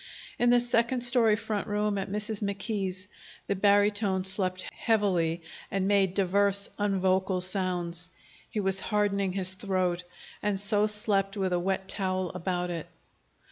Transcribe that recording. In the second story front room at Mrs. McKee's, the barytone slept heavily, and made divers unvocal sounds. He was hardening his throat, and so slept with a wet towel about it.